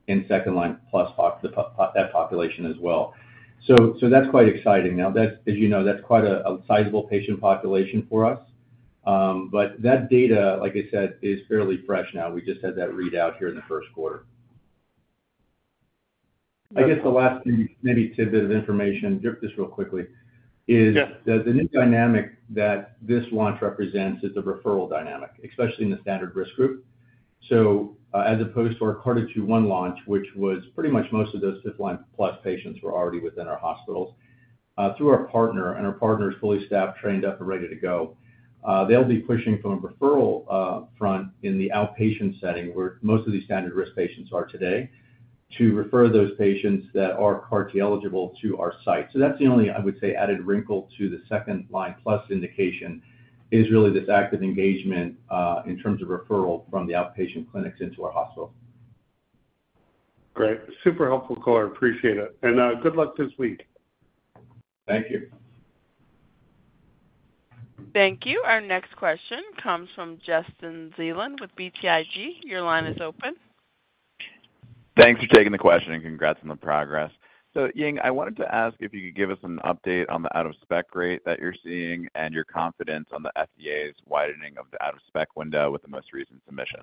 in second line plus that population as well. So that's quite exciting. Now, as you know, that's quite a sizable patient population for us. But that data, like I said, is fairly fresh now. We just had that readout here in the first quarter. I guess the last maybe tidbit of information, just real quickly, is the new dynamic that this launch represents is the referral dynamic, especially in the standard risk group. So, as opposed to our CARTITUDE-1 launch, which was pretty much most of those fifth-line plus patients were already within our hospitals, through our partner, and our partner is fully staffed, trained, up, and ready to go, they'll be pushing from a referral front in the outpatient setting, where most of these standard risk patients are today, to refer those patients that are CAR-T eligible to our site. So that's the only, I would say, added wrinkle to the second-line plus indication, is really this active engagement in terms of referral from the outpatient clinics into our hospitals. Great. Super helpful call. I appreciate it. Good luck this week. Thank you. Thank you. Our next question comes from Justin Zelin with BTIG. Your line is open. Thanks for taking the question, and congrats on the progress. Ying, I wanted to ask if you could give us an update on the out-of-spec rate that you're seeing and your confidence on the FDA's widening of the out-of-spec window with the most recent submission?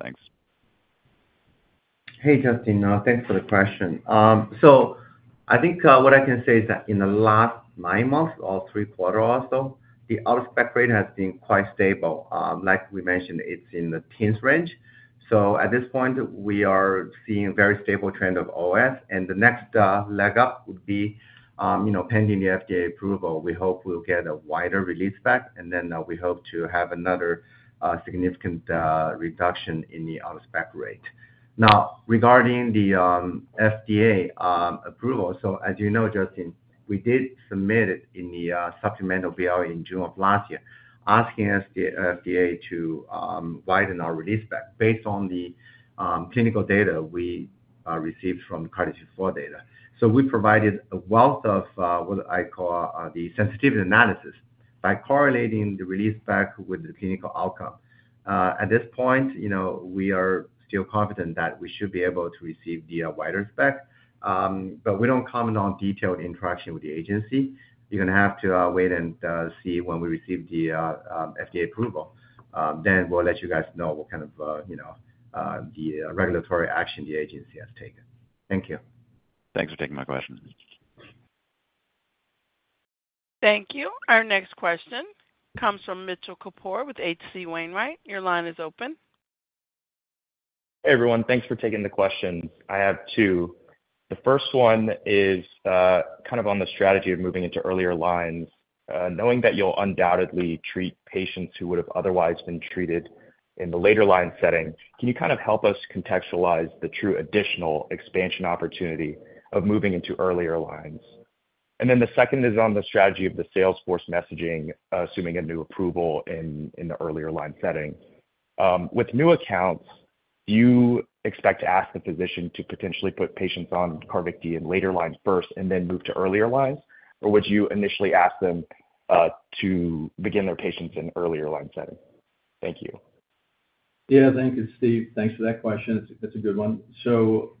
Thanks. Hey, Justin. Thanks for the question. So I think what I can say is that in the last nine months or three quarters also, the Out-of-Spec rate has been quite stable. Like we mentioned, it's in the teens range. So at this point, we are seeing a very stable trend of OS. And the next leg up would be pending the FDA approval. We hope we'll get a wider release back. And then we hope to have another significant reduction in the Out-of-Spec rate. Now, regarding the FDA approval, so as you know, Justin, we did submit it in the supplemental BLA in June of last year, asking the FDA to widen our release back based on the clinical data we received from CARTITUDE-4 data. So we provided a wealth of what I call the sensitivity analysis by correlating the release spec with the clinical outcome. At this point, we are still confident that we should be able to receive the wider spec. But we don't comment on detailed interaction with the agency. You're going to have to wait and see when we receive the FDA approval. Then we'll let you guys know what kind of the regulatory action the agency has taken. Thank you. Thanks for taking my question. Thank you. Our next question comes from Mitchell Kapoor with H.C. Wainwright. Your line is open. Hey, everyone. Thanks for taking the questions. I have two. The first one is kind of on the strategy of moving into earlier lines. Knowing that you'll undoubtedly treat patients who would have otherwise been treated in the later line setting, can you kind of help us contextualize the true additional expansion opportunity of moving into earlier lines? And then the second is on the strategy of the sales force messaging, assuming a new approval in the earlier line setting. With new accounts, do you expect to ask the physician to potentially put patients on CARVYKTI in later lines first and then move to earlier lines? Or would you initially ask them to begin their patients in earlier line setting? Thank you. Yeah. Thank you, Steve. Thanks for that question. That's a good one. So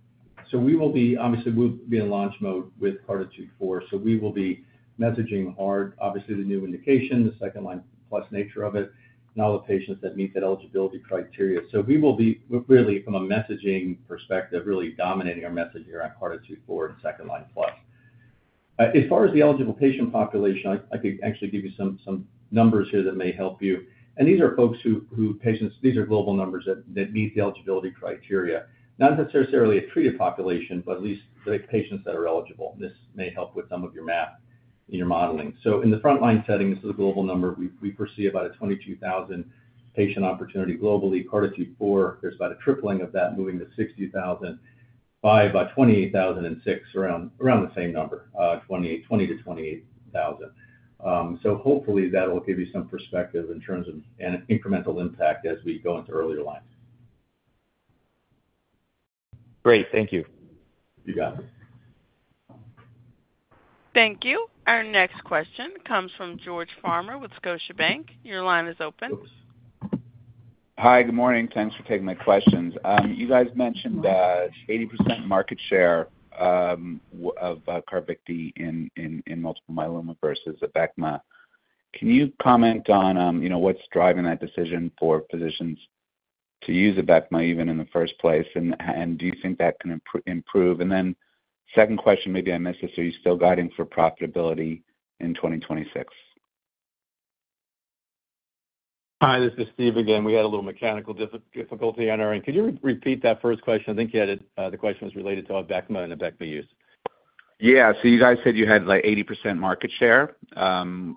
we will be obviously, we'll be in launch mode with CARTITUDE-4. So we will be messaging hard, obviously, the new indication, the second-line plus nature of it, and all the patients that meet that eligibility criteria. So we will be, really, from a messaging perspective, really dominating our message here on CARTITUDE-4 and second-line plus. As far as the eligible patient population, I could actually give you some numbers here that may help you. And these are patients, these are global numbers that meet the eligibility criteria, not necessarily a treated population, but at least the patients that are eligible. This may help with some of your math in your modeling. So in the front-line setting, this is a global number. We foresee about a 22,000 patient opportunity globally. CARTITUDE-4, there's about a tripling of that, moving to 60,000 by 2026, around the same number, 20,000-28,000. So hopefully, that'll give you some perspective in terms of an incremental impact as we go into earlier lines. Great. Thank you. You got it. Thank you. Our next question comes from George Farmer with Scotiabank. Your line is open. Hi. Good morning. Thanks for taking my questions. You guys mentioned 80% market share of CARVYKTI in multiple myeloma versus Abecma. Can you comment on what's driving that decision for physicians to use Abecma even in the first place? And do you think that can improve? And then second question, maybe I missed this. Are you still guiding for profitability in 2026? Hi. This is Steve again. We had a little mechanical difficulty on our end. Could you repeat that first question? I think the question was related to an Abecma and an Abecma use. Yeah. So you guys said you had 80% market share, right?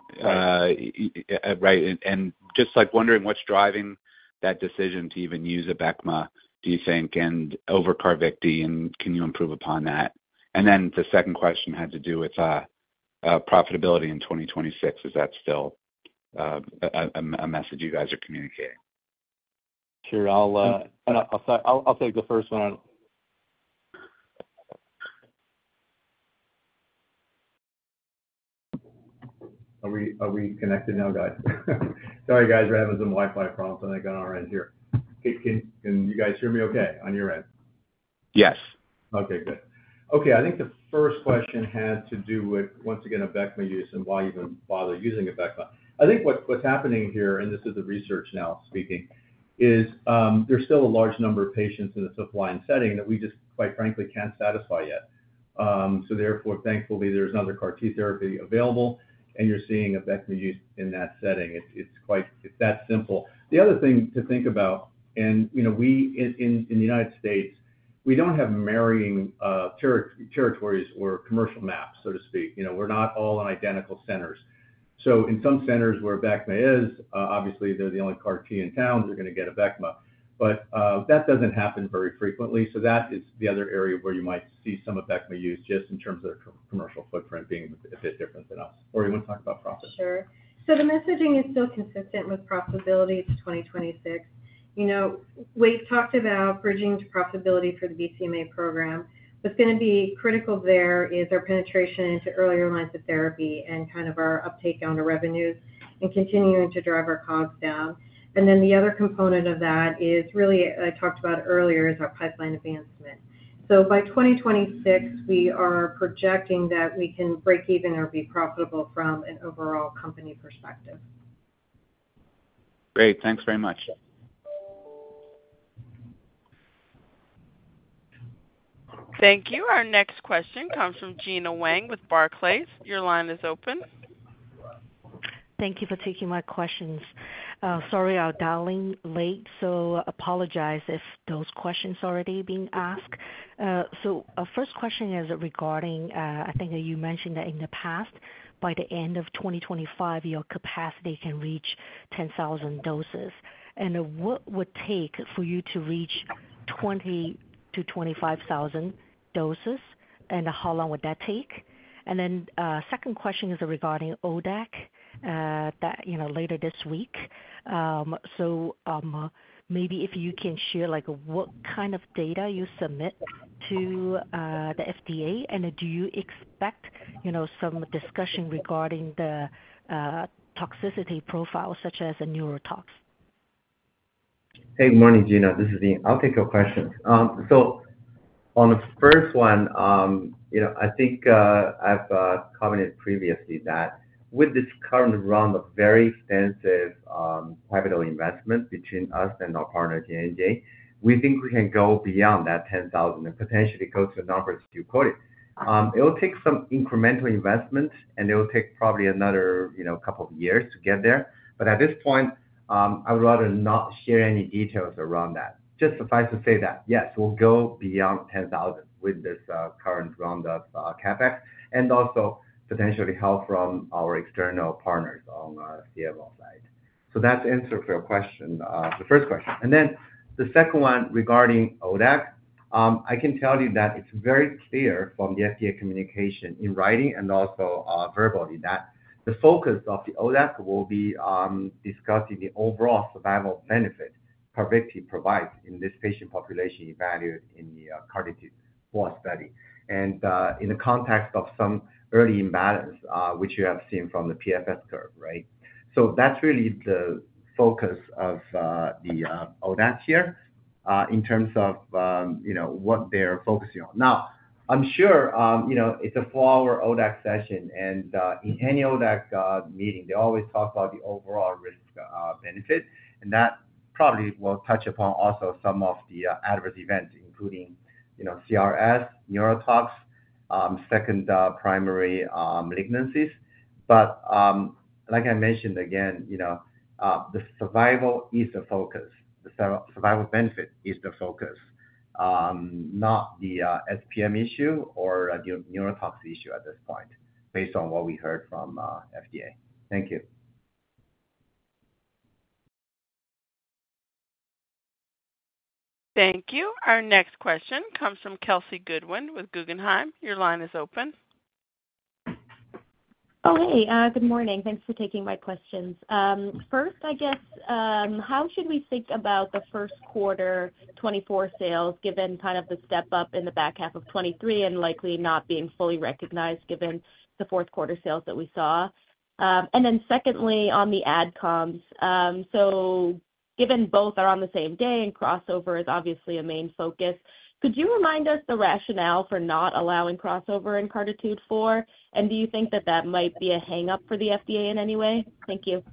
And just wondering what's driving that decision to even use an Abecma, do you think, and over CARVYKTI? And can you improve upon that? And then the second question had to do with profitability in 2026. Is that still a message you guys are communicating? Sure. I'll take the first one. Are we connected now, guys? Sorry, guys. We're having some Wi-Fi problems, I think, on our end here. Can you guys hear me okay on your end? Yes. Okay. Good. Okay. I think the first question had to do with, once again, a Abecma use and why even bother using a Abecma. I think what's happening here - and this is the research now speaking - is there's still a large number of patients in the fifth-line setting that we just, quite frankly, can't satisfy yet. So therefore, thankfully, there's another CAR-T therapy available, and you're seeing a Abecma use in that setting. It's that simple. The other thing to think about, and in the United States, we don't have mirroring territories or commercial maps, so to speak. We're not all in identical centers. So in some centers where Abecma is, obviously, they're the only CAR-T in town that are going to get a Abecma. But that doesn't happen very frequently. So that is the other area where you might see some of Abecma use just in terms of their commercial footprint being a bit different than us. Or you want to talk about profitability? Sure. So the messaging is still consistent with profitability to 2026. We've talked about bridging to profitability for the BCMA program. What's going to be critical there is our penetration into earlier lines of therapy and kind of our uptake down to revenues and continuing to drive our COGS down. And then the other component of that is really I talked about earlier is our pipeline advancement. So by 2026, we are projecting that we can break even or be profitable from an overall company perspective. Great. Thanks very much. Thank you. Our next question comes from Gena Wang with Barclays. Your line is open. Thank you for taking my questions. Sorry, I'm dialing late, so apologize if those questions are already being asked. So our first question is regarding I think you mentioned that in the past, by the end of 2025, your capacity can reach 10,000 doses. And what would take for you to reach 20,000-25,000 doses, and how long would that take? And then second question is regarding ODAC later this week. So maybe if you can share what kind of data you submit to the FDA, and do you expect some discussion regarding the toxicity profile, such as a neurotox? Hey. Good morning, Gena. This is Ying. I'll take your question. So on the first one, I think I've commented previously that with this current round of very extensive capital investment between us and our partner, J&J, we think we can go beyond that 10,000 and potentially go to a number as you quoted. It'll take some incremental investment, and it'll take probably another couple of years to get there. But at this point, I would rather not share any details around that. Just suffice to say that, yes, we'll go beyond 10,000 with this current round of CapEx and also potentially help from our external partners on the CMO side. So that's the answer for your question, the first question. And then the second one regarding ODAC, I can tell you that it's very clear from the FDA communication in writing and also verbally that the focus of the ODAC will be discussing the overall survival benefit CARVYKTI provides in this patient population evaluated in the CARTITUDE-4 study and in the context of some early imbalance, which you have seen from the PFS curve, right? So that's really the focus of the ODAC here in terms of what they're focusing on. Now, I'm sure it's a 4-hour ODAC session. And in any ODAC meeting, they always talk about the overall risk-benefit. And that probably will touch upon also some of the adverse events, including CRS, neurotox, second primary malignancies. But like I mentioned again, the survival is the focus. The survival benefit is the focus, not the SPM issue or the neurotox issue at this point based on what we heard from FDA. Thank you. Thank you. Our next question comes from Kelsey Goodwin with Guggenheim. Your line is open. Oh, hey. Good morning. Thanks for taking my questions. First, I guess, how should we think about the first quarter 2024 sales given kind of the step-up in the back half of 2023 and likely not being fully recognized given the fourth quarter sales that we saw? And then secondly, on the ad comms. So given both are on the same day and crossover is obviously a main focus, could you remind us the rationale for not allowing crossover in CARTITUDE-4? And do you think that that might be a hang-up for the FDA in any way? Thank you.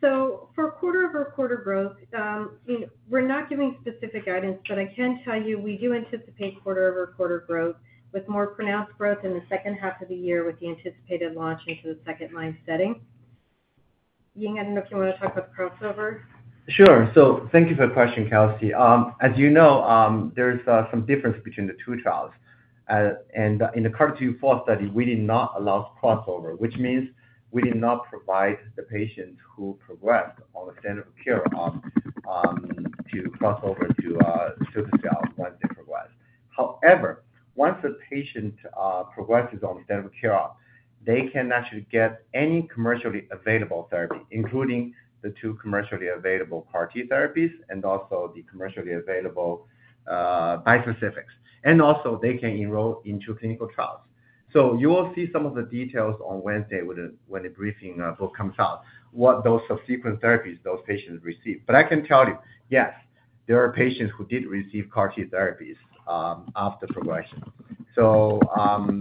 For quarter-over-quarter growth, we're not giving specific guidance, but I can tell you we do anticipate quarter-over-quarter growth with more pronounced growth in the second half of the year with the anticipated launch into the second-line setting. Ying, I don't know if you want to talk about crossover? Sure. So thank you for the question, Kelsey. As you know, there's some difference between the two trials. And in the CARTITUDE-4 study, we did not allow crossover, which means we did not provide the patients who progressed on the standard of care to crossover to cilta-cel once they progressed. However, once the patient progresses on the standard of care, they can actually get any commercially available therapy, including the two commercially available CAR-T therapies and also the commercially available bispecifics. And also, they can enroll into clinical trials. So you will see some of the details on Wednesday when the briefing book comes out, what those subsequent therapies those patients received. But I can tell you, yes, there are patients who did receive CAR-T therapies after progression. So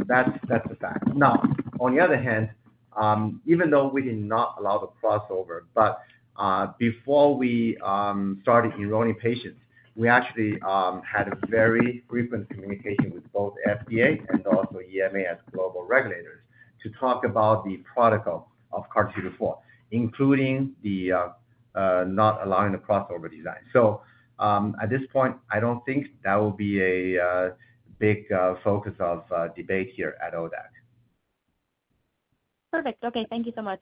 that's the fact. Now, on the other hand, even though we did not allow the crossover, but before we started enrolling patients, we actually had very frequent communication with both FDA and also EMA as global regulators to talk about the protocol of CARTITUDE-4, including the not allowing the crossover design. So at this point, I don't think that will be a big focus of debate here at ODAC. Perfect. Okay. Thank you so much.